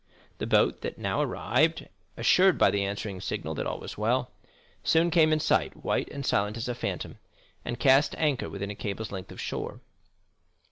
The boat that now arrived, assured by the answering signal that all was well, soon came in sight, white and silent as a phantom, and cast anchor within a cable's length of shore.